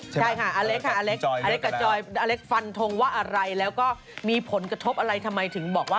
ใช่ค่ะอเล็กค่ะอเล็กอเล็กกับจอยอเล็กฟันทงว่าอะไรแล้วก็มีผลกระทบอะไรทำไมถึงบอกว่า